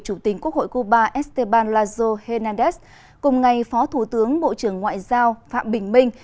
chủ tình quốc hội cuba esteban lazo hernandez cùng ngày phó thủ tướng bộ trưởng ngoại giao phạm bình minh